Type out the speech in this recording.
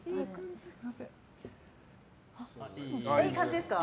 いい感じですか？